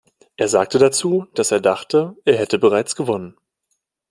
Er sagte dazu, dass er dachte, er hätte bereits gewonnen.